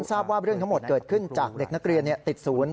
ทราบว่าเรื่องทั้งหมดเกิดขึ้นจากเด็กนักเรียนติดศูนย์